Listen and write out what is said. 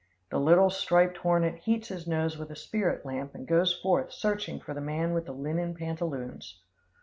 The little striped hornet heats his nose with a spirit lamp and goes forth searching for the man with the linen pantaloons.